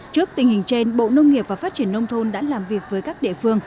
trước tình hình trên bộ nông nghiệp và phát triển nông thôn đã làm việc với các địa phương